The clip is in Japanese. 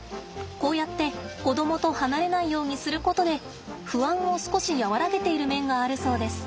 こうやって子供と離れないようにすることで不安を少し和らげている面があるそうです。